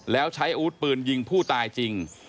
แล้วใช้อาวุธปืนยิงผู้ตายจริง